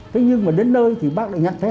thế nhưng mà đến nơi thì bác lại nhận thấy